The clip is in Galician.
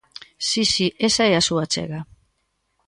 Si, si, esa é a súa achega.